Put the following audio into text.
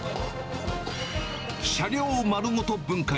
車両を丸ごと分解。